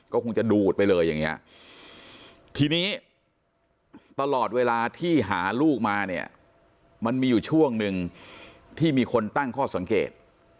ก็คงจะดูดไปเลยอย่างนี้ทีนี้ตลอดเวลาที่หาลูกมาเนี่ยมันมีอยู่ช่วงหนึ่งที่มีคนตั้งข้อสังเกต